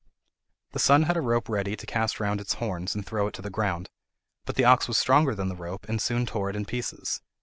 The son had a rope ready to cast round its horns, and throw it to the ground, but the ox was stronger than the rope, and soon tore it in pieces.